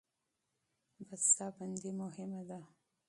بسته بندي مهمه ده.